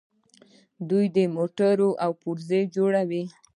دوی موټرې او پرزې جوړوي.